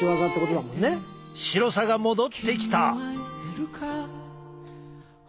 白さが戻ってきた。